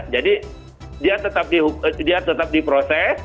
jadi dia tetap diproses